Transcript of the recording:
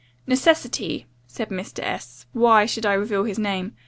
'Necessity,' said Mr. S ; why should I reveal his name?